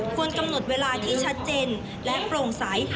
ควรกำหนดเวลาที่ชัดเจนและโปร่งใส